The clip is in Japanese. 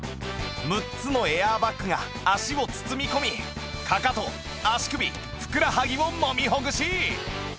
６つのエアバッグが足を包み込みかかと足首ふくらはぎをもみほぐし！